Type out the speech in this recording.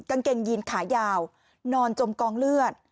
กางเกงยีนขายาวนอนจมกองเลือด